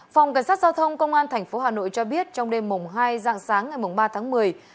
phòng cảnh sát giao thông công an thành phố hà nội cho biết trong đêm mùng hai dạng sáng ngày mùng ba tháng một mươi